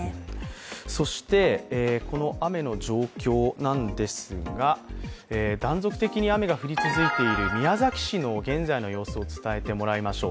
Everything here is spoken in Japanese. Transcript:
そして、この雨の状況ですが断続的に雨が降り続いている宮崎市の現在の様子を伝えてもらいましょう。